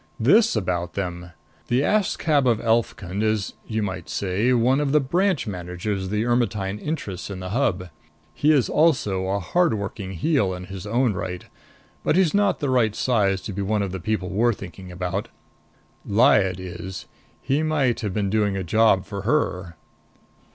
"This about them. The Askab of Elfkund is, you might way, one of the branch managers of the Ermetyne interests in the Hub. He is also a hard working heel in his own right. But he's not the right size to be one of the people we're thinking about. Lyad is. He might have been doing a job for her."